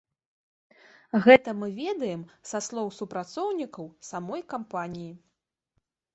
Гэта мы ведаем са слоў супрацоўнікаў самой кампаніі.